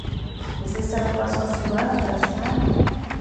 Você está na próxima semana para assinar?